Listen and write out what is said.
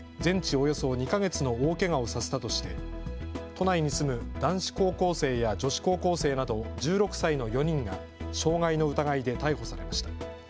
およそ２か月の大けがをさせたとして都内に住む男子高校生や女子高校生など１６歳の４人が傷害の疑いで逮捕されました。